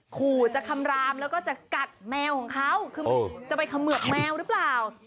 ขู่จะคำรามแล้วก็จะกัดแมวของเขาคือจะไปเขมือบแมวหรือเปล่า